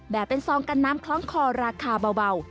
เป็นซองกันน้ำคล้องคอราคาเบา